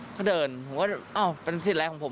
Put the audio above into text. เค้าเดินกูก็อ่อเป็นศิลป์ไรของผม